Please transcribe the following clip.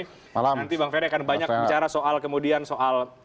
nanti bang ferry akan banyak bicara soal kemudian soal